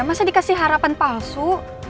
masa dikasih harapan palsu